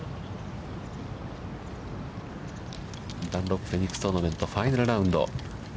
ダンロップフェニックストーナメント、ファイナルラウンド。